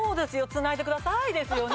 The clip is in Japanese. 「繋いでください」ですよね。